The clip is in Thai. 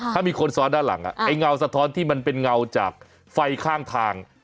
ถ้ามีคนซ้อนด้านหลังไอ้เงาสะท้อนที่มันเป็นเงาจากไฟข้างทาง